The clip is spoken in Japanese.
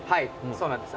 そうなんです。